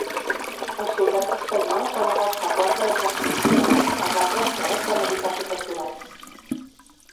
Els soldats espanyols van arrestar quatre dels activistes; els altres tres van evitar ser capturats.